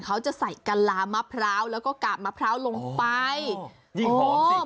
เขาจะใส่กะลามะพร้าวแล้วก็กาบมะพร้าวลงไปยิ่งหอมสิ